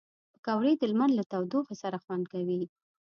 پکورې د لمر له تودوخې سره خوند کوي